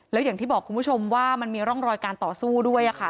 แล้วอย่างที่บอกคุณผู้ชมว่ามันมีร่องรอยการต่อสู้ด้วยค่ะ